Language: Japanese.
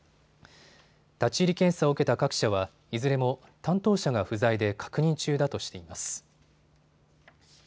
立ち入り検査を受けた各社は、いずれも担当者が不在で確認中だとしています。